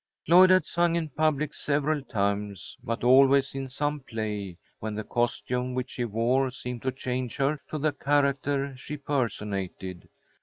Lloyd had sung in public several times, but always in some play, when the costume which she wore seemed to change her to the character she personated.